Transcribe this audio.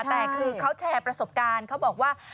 แต่คือเขาแชร์ประสบการณ์เขาบอกว่า